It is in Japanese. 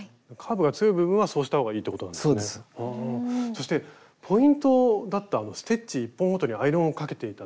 そしてポイントだったステッチ１本ごとにアイロンをかけていたところ。